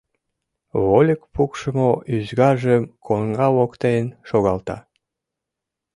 Вольык пукшымо ӱзгаржым коҥга воктен шогалта.